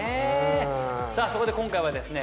さあそこで今回はですね